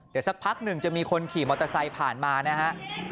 เดี๋ยวสักพักหนึ่งจะมีคนขี่มอเตอร์ไซค์ผ่านมานะฮะ